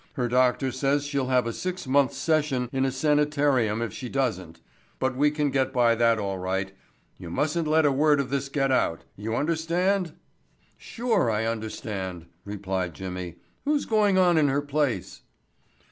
Her doctor says she'll have a six month's session in a sanitarium if she doesn't, but we can get by that all right. You mustn't let a word of this get out. You understand?" "Sure I understand," replied Jimmy. "Who's going on in her place?"